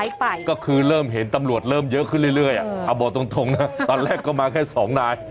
จ้าจ้าจ้าจ้าจ้า